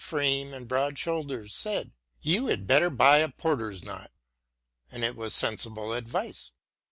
SAMUEL JOHNSON 33 frame and broad shoulders, said, " You had better buy a porter's knot." And it was sensible advice.